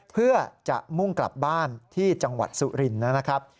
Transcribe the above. เพื่อจะมุ่งกลับบ้านที่จังหวัดสุรินทร์นะครับ